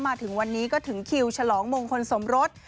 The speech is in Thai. มาถึงวันนี้ก็ถึงคิวฉลองมงคลสมรส